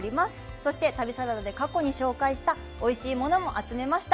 そして、旅サラダで過去に紹介したおいしいものも集めました。